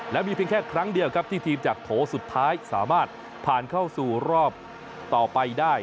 และมีเพียงแค่ครั้งเดียวครับที่ทีมจากโถสุดท้ายสามารถผ่านเข้าสู่รอบต่อไปได้